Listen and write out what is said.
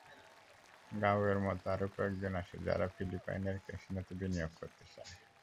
গাওয়ের মতো আরও কয়েকজন আছে, যারা ফিলিপাইনের ক্যাসিনোতে বিনিয়োগ করতে চায়।